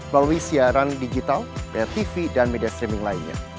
melalui siaran digital bayar tv dan media streaming lainnya